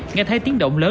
nghe thấy tiếng động lớn